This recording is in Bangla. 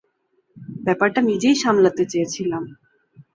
ব্যাপারটা নিজেই সামলাতে চেয়েছিলাম।